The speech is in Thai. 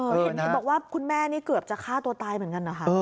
เห็นบอกว่าคุณแม่นี่เกือบจะฆ่าตัวตายเหมือนกันเหรอคะ